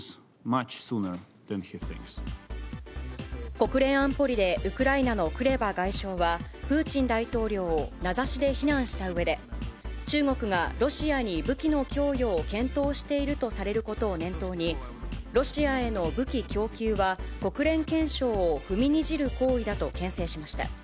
国連安保理でウクライナのクレバ外相は、プーチン大統領を名指しで非難したうえで、中国がロシアに武器の供与を検討しているとされることを念頭に、ロシアへの武器供給は、国連憲章を踏みにじる行為だとけん制しました。